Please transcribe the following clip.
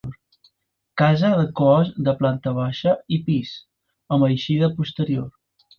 Casa de cos de planta baixa i pis, amb eixida posterior.